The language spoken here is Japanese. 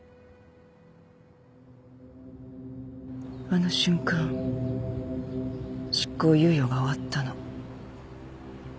あの瞬間執行猶予が終わったの。